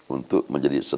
untuk menjadi setara